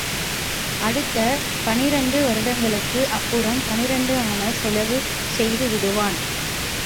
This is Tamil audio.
அடுத்த பனிரண்டு வருடங்களுக்கு அப்புறமும் பனிரண்டு அணா செலவு செய்து விடுவான்.